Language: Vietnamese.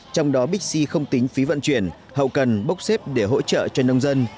trong đó bixi không tính phí vận chuyển hậu cần bốc xếp để hỗ trợ cho nông dân